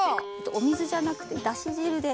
お水じゃなくてだし汁で。